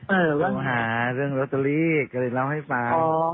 เออว่าไงโทรหาเรื่องลอตเตอรี่ก็เลยเล่าให้ฟังอ๋อ